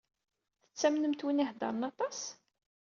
Tettamnemt win i iheddṛen aṭas?